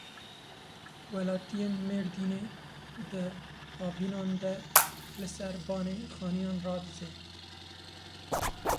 Welatiyên Mêrdînê di havînan de li ser bane xaniyan radizên.